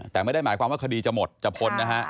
แต่ไม่ได้หมายความว่าคดีจะหมดจะพ้นนะฮะ